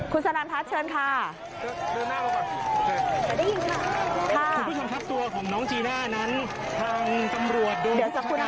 คุณสรรพัฒน์เขาชื่นค่ะเดินหน้าร็อกก่อนกระตุอกุกสักคู่นะคะ